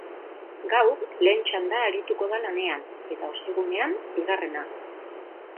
Gaur, lehen txanda arituko da lanean, eta ostegunean, bigarrena.